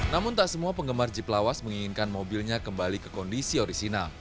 namun tak semua penggemar jeep lawas menginginkan mobilnya kembali ke kondisi orisinal